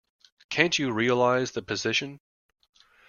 Can't you realize the position?